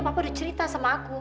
aku udah cerita sama aku